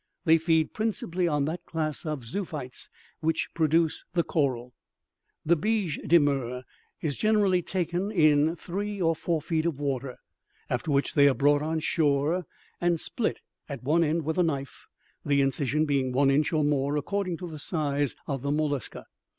They feed principally on that class of zoophytes which produce the coral. "The biche de mer is generally taken in three or four feet of water; after which they are brought on shore, and split at one end with a knife, the incision being one inch or more, according to the size of the mollusca.